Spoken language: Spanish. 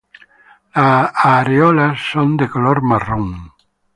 Las areolas son de color marrón.